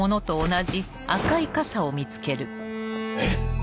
えっ？